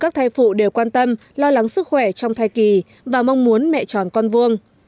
các thai phụ đều quan tâm lo lắng sức khỏe trong thai kỳ và mong muốn mẹ tròn con vuông